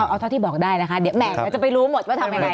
เอาเท่าที่บอกได้นะคะเดี๋ยวแหมเราจะไปรู้หมดว่าทำยังไง